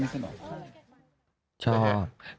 ไม่ใช่แบบ